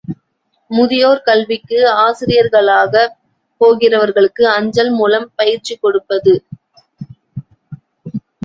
முதியோர் கல்விக்கு ஆசிரியர்களாகப் போகிறவர்களுக்கு அஞ்சல் மூலம் பயிற்சி கொடுப்பது.